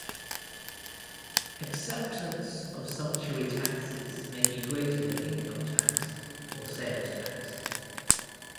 Acceptance of sumptuary taxes may be greater than income tax or sales tax.